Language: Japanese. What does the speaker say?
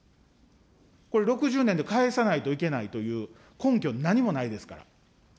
これ６０年で返さないといけないという根拠、何もないですから。